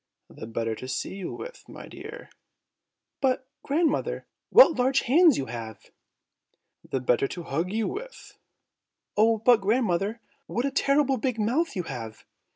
"The better to see you with, my dear." "But, grandmother, what large hands you have!" "The better to hug you with." "Oh! but, grandmother, what a terrible big mouth you have!"